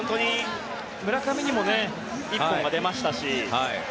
村上にも１本が出ましたし。